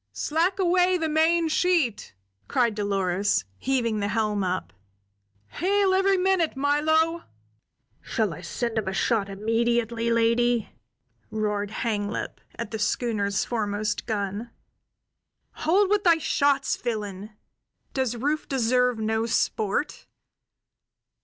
"Slack away the main sheet!" cried Dolores, heaving the helm up. "Hail every minute, Milo!" "Shall I send him a shot immediately, lady?" roared Hanglip, at the schooner's foremost gun. "Hold with thy shots, villain! Does Rufe deserve no sport?